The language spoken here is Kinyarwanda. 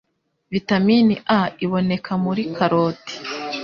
Vitamine A iboneka muri karoti,